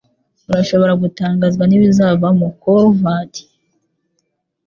Urashobora gutangazwa nibizavamo. (corvard)